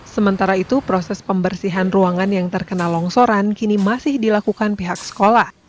sementara itu proses pembersihan ruangan yang terkena longsoran kini masih dilakukan pihak sekolah